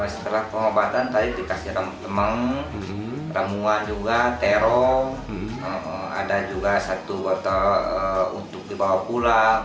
setelah pengobatan tadi dikasih teman ramuan juga tero ada juga satu botol untuk dibawa pulang